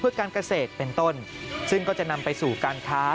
เพื่อการเกษตรเป็นต้นซึ่งก็จะนำไปสู่การค้า